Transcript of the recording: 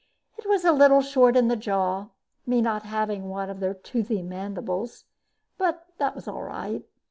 It was a little short in the jaw, me not having one of their toothy mandibles, but that was all right.